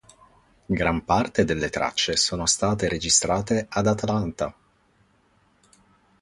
Gran parte delle tracce sono state registrate ad Atlanta.